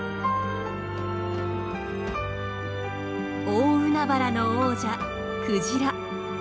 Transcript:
大海原の王者クジラ。